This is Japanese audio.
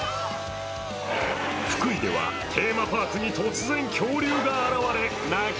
福井ではテーマパークに突然、恐竜が現れ泣き